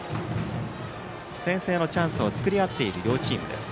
先制のチャンスを作り合っている両チームです。